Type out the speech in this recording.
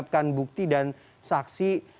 menyiapkan bukti dan saksi